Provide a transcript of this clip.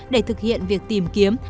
để thực hiện việc tìm kiếm